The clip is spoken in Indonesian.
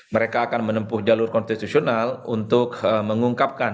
mereka akan menempuh jalur konstitusional untuk mengungkapkan